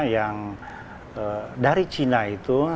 yang dari china itu